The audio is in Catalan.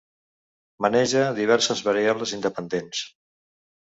Maneja diverses variables independents.